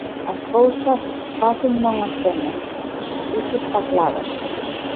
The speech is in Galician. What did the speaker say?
As cousas fácil non as temos, iso está claro.